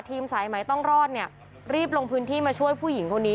ทีมสายไม้ต้องรอดรีบลงพื้นที่มาช่วยผู้หญิงคนนี้